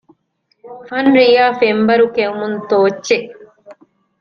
ފަންރިޔާ ފެންބަރު ކެއުމުން ތޯއްޗެއް